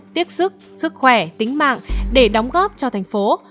tiếc sức sức khỏe tính mạng để đóng góp cho tp hcm